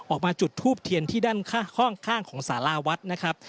ออกมาจุดทูบเทียนที่ด้านห้องข้างของสาราวัดนะครับ